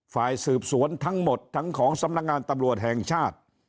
ฝ่ายสืบสวนทั้งหมดทั้งของสำนักงานตำรวจแห่งชาติ